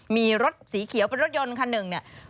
มีรถสีเขียวเป็นรถยนต์คันหนึ่งเนี่ย